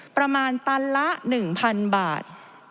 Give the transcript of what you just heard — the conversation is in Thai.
ประมาณตันละ๑๐๐๐บาท